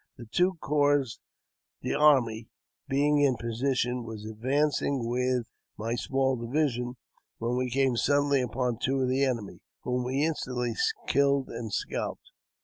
The two corps d'armee being in position, I was advancing with my small division, when we came suddenly upon two of the enemy, whom we instantly killed and scalped.